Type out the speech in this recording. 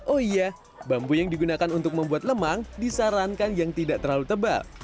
oh iya bambu yang digunakan untuk membuat lemang disarankan yang tidak terlalu tebal